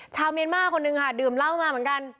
ชาวเมียนมาร์คนนึงค่ะดื่มเหล้ามาเหมือนกัน